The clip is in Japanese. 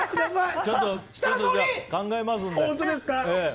考えますんで。